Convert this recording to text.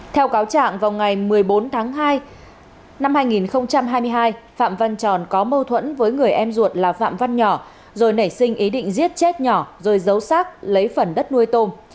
theo cáo trạng vào ngày một mươi bốn tháng hai năm hai nghìn hai mươi hai phạm văn tròn có mâu thuẫn với người em ruột là phạm văn nhỏ rồi nảy sinh ý định giết chết nhỏ rồi giấu sát lấy phần đất nuôi tôm